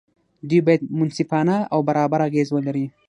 دوی باید منصفانه او برابر اغېز ولري.